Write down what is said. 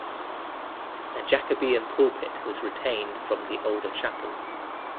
A Jacobean pulpit was retained from the older chapel.